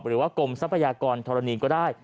หรือว่ากรมทรัพยากรธรณีก็ได้